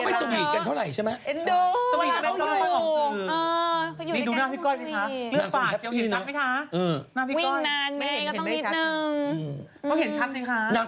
โพสต์มันถึงสิ้นที่มีความนิสสลัก